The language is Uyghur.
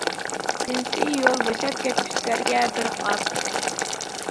جىنسىي يول بوشاپ كەتكۈچىلەرگە بىر قاپ!